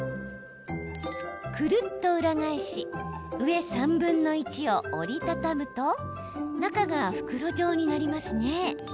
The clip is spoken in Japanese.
くるっと裏返し上３分の１を折り畳むと中が袋状になりますね。